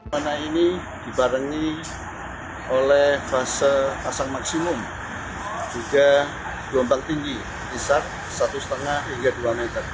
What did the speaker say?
mana ini dibarengi oleh fase pasang maksimum juga gelombang tinggi kisar satu lima hingga dua meter